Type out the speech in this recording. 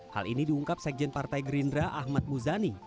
hal ini diungkap sekjen partai gerindra ahmad muzani